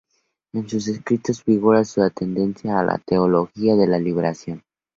En sus escritos figura su tendencia a la Teología de la Liberación.